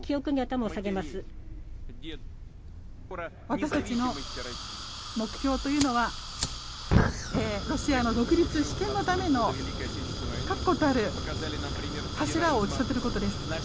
私たちの目標というのはロシアの独立主権のための確固たる柱を打ち立てることです。